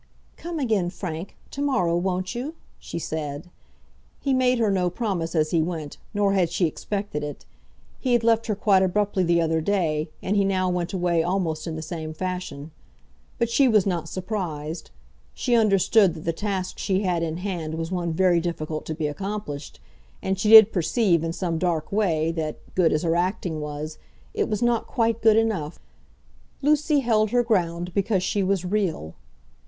"Come again, Frank, to morrow, won't you?" she said. He made her no promise as he went, nor had she expected it. He had left her quite abruptly the other day, and he now went away almost in the same fashion. But she was not surprised. She understood that the task she had in hand was one very difficult to be accomplished, and she did perceive, in some dark way, that, good as her acting was, it was not quite good enough. Lucy held her ground because she was real.